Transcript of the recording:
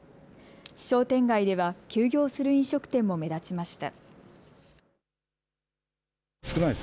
商店街では休業する飲食店も目立ちました。